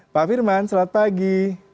pak firman selamat pagi